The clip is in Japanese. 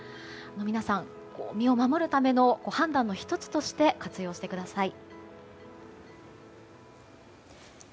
皆さん、身を守るための判断の１つとして活用してください。